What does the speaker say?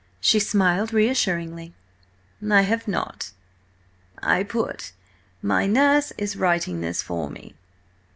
She smiled reassuringly. "I have not. I have put: 'My nurse is writing this for me.'"